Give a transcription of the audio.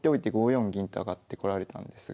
四銀と上がってこられたんですが。